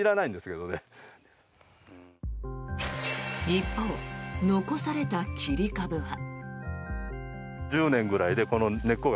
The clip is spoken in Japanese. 一方、残された切り株は。